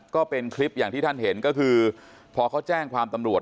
ก็เป็นคลิปอย่างที่ท่านเห็นก็คือพอเขาแจ้งความตำรวจ